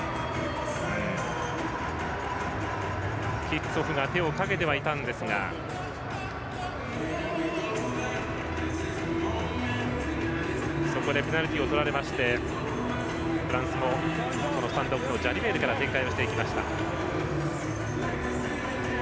キッツォフが手をかけてはいたんですがそこでペナルティーをとられフランスもジャリベールから展開してきました。